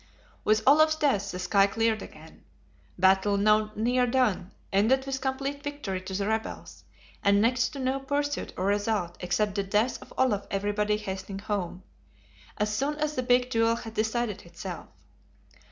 With Olaf's death the sky cleared again. Battle, now near done, ended with complete victory to the rebels, and next to no pursuit or result, except the death of Olaf everybody hastening home, as soon as the big Duel had decided itself.